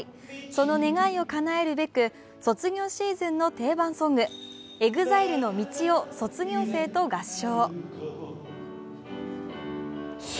その願いをかなえるべく卒業シーズンの定番ソングＥＸＩＬＥの「道」を卒業生と合唱。